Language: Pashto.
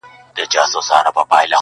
هر زړه پټ درد ساتي تل,